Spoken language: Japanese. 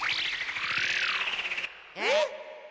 えっ？